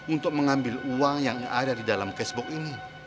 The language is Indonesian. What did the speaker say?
untuk mengambil uang yang ada di dalam cashbow ini